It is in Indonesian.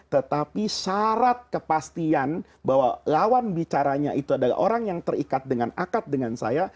tetapi syarat kepastian bahwa lawan bicaranya itu adalah orang yang terikat dengan akat dengan saya